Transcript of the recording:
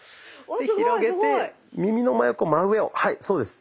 で広げて耳の真横真上をはいそうです。